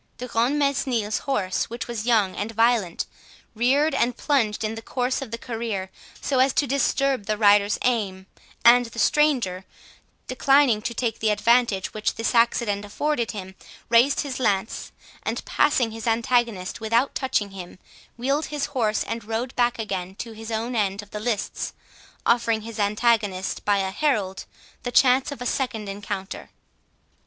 De Grantmesnil's horse, which was young and violent, reared and plunged in the course of the career so as to disturb the rider's aim, and the stranger, declining to take the advantage which this accident afforded him, raised his lance, and passing his antagonist without touching him, wheeled his horse and rode back again to his own end of the lists, offering his antagonist, by a herald, the chance of a second encounter.